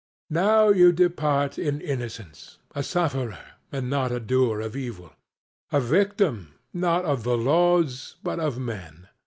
Now you depart in innocence, a sufferer and not a doer of evil; a victim, not of the laws, but of men.